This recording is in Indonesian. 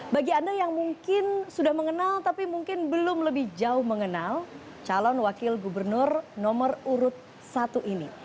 bagi anda yang mungkin sudah mengenal tapi mungkin belum lebih jauh mengenal calon wakil gubernur nomor urut satu ini